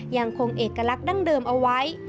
ยังคงเอกลักษณ์ดั้งเดิมเอาไว้